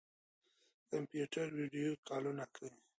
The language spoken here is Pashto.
کمپيوټر ويډيو کالونه کوي.